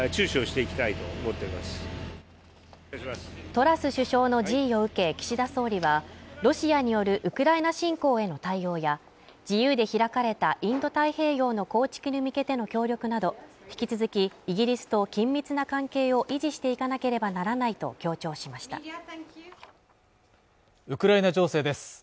トラス首相の辞意を受け岸田総理はロシアによるウクライナ侵攻への対応や自由で開かれたインド太平洋の構築に向けての協力など引き続きイギリスと緊密な関係を維持していかなければならないと強調しましたウクライナ情勢です